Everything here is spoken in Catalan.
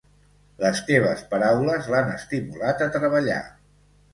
Les teves paraules l'han estimulat a treballar.